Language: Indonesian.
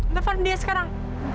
telepon dia sekarang